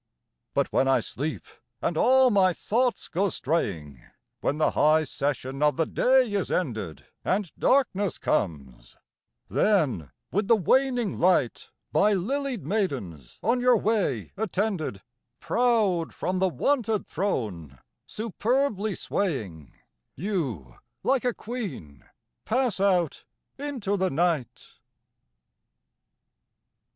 But when I sleep, and all my thoughts go straying, When the high session of the day is ended, And darkness comes; then, with the waning light, By lilied maidens on your way attended, Proud from the wonted throne, superbly swaying, You, like a queen, pass out into the night.